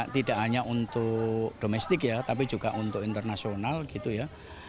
tidak hanya untuk domestik ya tapi juga untuk internasional gitu ya